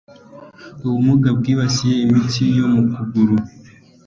Ubumuga bwibasiye imitsi yo mu kaguru